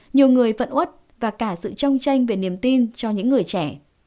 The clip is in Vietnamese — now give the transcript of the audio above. nhiều người phận út và cả sự trông tranh về niềm tin cho những người trẻ